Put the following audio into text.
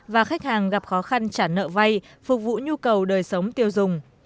và khách hàng gặp khó khăn trả nợ vay phục vụ nhu cầu đời sống tiêu dùng